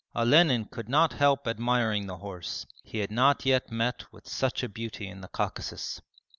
Olenin could not help admiring the horse, he had not yet met with such a beauty in the Caucasus.